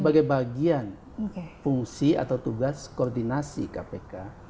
sebagai bagian fungsi atau tugas koordinasi kpk